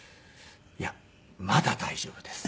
「いやまだ大丈夫です」。